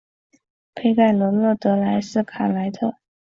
佩盖罗勒德莱斯卡莱特。